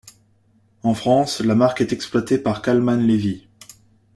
En France, la marque est exploitée par Calman Levy.